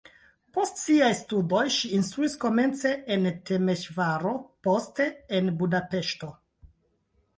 Post siaj studoj ŝi instruis komence en Temeŝvaro, poste en Budapeŝto.